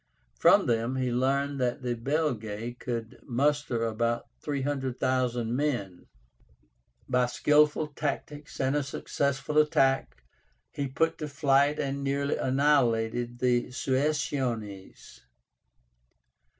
From them he learned that the Belgae could muster about 300,000 men. By skilful tactics and a successful attack he put to flight and nearly annihilated the Suessiónes.